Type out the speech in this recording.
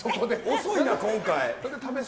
遅いな、今回。